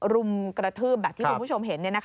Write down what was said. รุมกระทืบแบบที่คุณผู้ชมเห็น